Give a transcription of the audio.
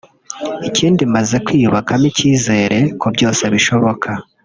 ikindi maze kwiyubakamo ikizere ko byose bishoboka”